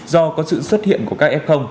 do có sự xuất hiện của các f